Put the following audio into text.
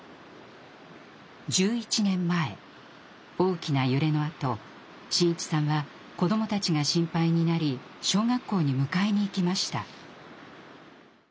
１１年前大きな揺れのあと伸一さんは子どもたちが心配になり小学校に迎えに行きました。